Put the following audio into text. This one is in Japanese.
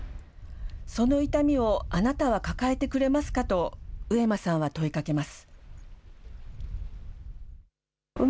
その痛みをあなたは抱えてくれますかと、上間さんは問いかけます。